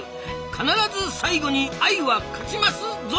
「必ず最後に愛は勝ちます」ぞ！